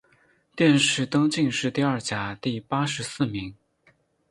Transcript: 殿试登进士第二甲第八十四名。